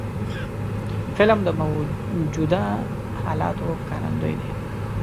فلم د موجودو حالاتو ښکارندوی دی